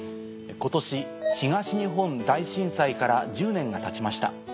今年東日本大震災から１０年がたちました。